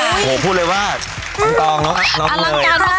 โอ้โหพูดเลยว่าอลังการมากค่ะอลังการมากเลย